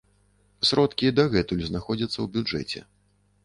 Сродкі дагэтуль знаходзяцца ў бюджэце.